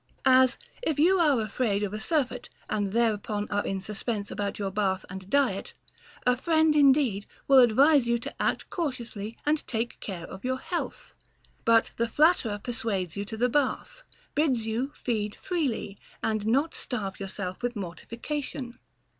As, if you are afraid of a surfeit and thereupon are in suspense about your bath and diet, a friend indeed will advise you to act cautiously and take care of your health ; but the flat terer persuades you to the bath, bids you feed freely and not starve yourself with mortification.